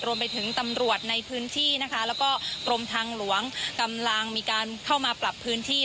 รวมไปถึงตำรวจในพื้นที่นะคะแล้วก็กรมทางหลวงกำลังมีการเข้ามาปรับพื้นที่